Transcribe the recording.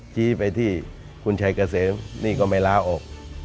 ชี้ไปที่คุณชัยเกษมนี่ก็ไม่ลาออก